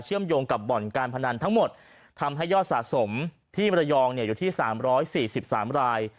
โยงกับบ่อนการพนันทั้งหมดทำให้ยอดสะสมที่มรยองอยู่ที่๓๔๓ราย